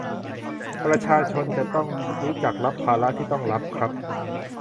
ประชาชนจะต้องรู้จักรับภาระที่ต้องรับครับ